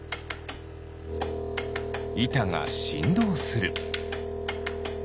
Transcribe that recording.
いたがしんどうする。